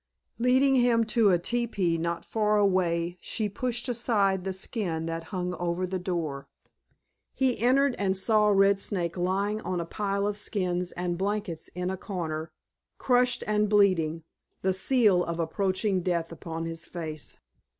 Leading him to a teepee not far away she pushed aside the skin that hung over the door. He entered and saw Red Snake lying on a pile of skins and blankets in a corner, crushed and bleeding, the seal of approaching death upon his face.